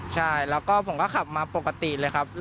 ใช่แล้วก็ผมก็ขับมาปกติเลยครับ